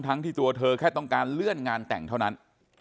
ที่ตัวเธอแค่ต้องการเลื่อนงานแต่งเท่านั้น